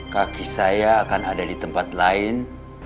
kaki saya akan ada di tempat lain